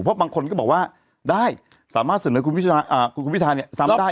เพราะบางคนก็บอกว่าได้สามารถเสนอคุณวิทยาอ่าคุณคุณวิทยาเนี่ย